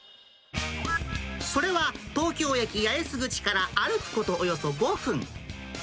それは、東京駅八重洲口から歩くことおよそ５分。